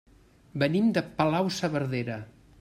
Venim de Palau-saverdera.